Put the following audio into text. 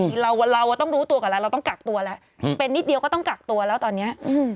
คือเราต้องรู้ตัวกันแล้วเราต้องกักตัวแล้วเป็นนิดเดียวก็ต้องกักตัวแล้วตอนนี้